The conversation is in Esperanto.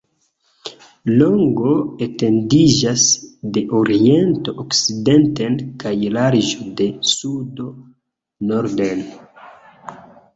Longo etendiĝas de oriento okcidenten kaj larĝo de sudo norden.